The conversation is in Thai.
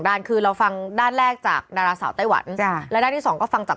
ด้านคือเราฟังด้านแรกจากดาราสาวไต้หวันจ้ะและด้านที่สองก็ฟังจาก